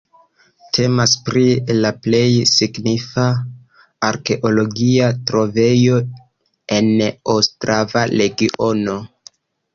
Temas pri la plej signifa arkeologia trovejo en Ostrava-regiono.